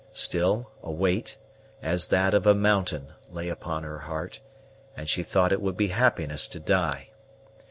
Still, a weight, as that of a mountain, lay upon her heart, and she thought it would be happiness to die.